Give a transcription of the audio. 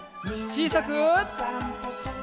ちいさく。